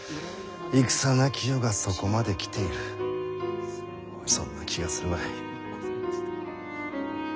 戦なき世がそこまで来ているそんな気がするわい。